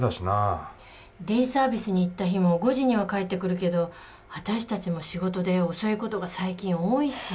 デイサービスに行った日も５時には帰ってくるけど私たちも仕事で遅い事が最近多いし。